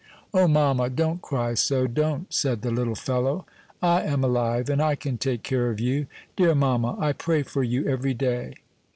"O mamma, don't cry so, don't," said the little fellow. "I am alive, and I can take care of you. Dear mamma, I pray for you every day."